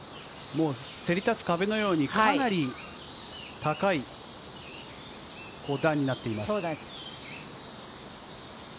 そり立つ壁のように、かなり高い段になっています。